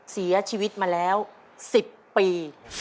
เสียชีวิตมาแล้ว๑๐ปี